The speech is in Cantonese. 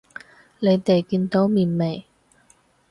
你哋見到面未？